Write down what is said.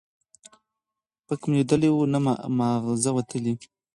ـ پک مې ليدلى وو، نه معاغزه وتلى.